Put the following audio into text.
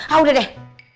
ah udah deh